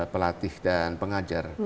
pelatih dan pengajar